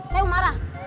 saya mau marah